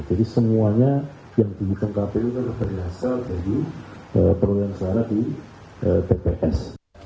jadi semuanya yang dihitung kpu itu berasal dari perolehan suara di tps